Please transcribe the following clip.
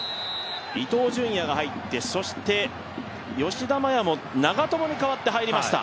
伊東純也が入って、吉田麻也も長友に代わって入りました。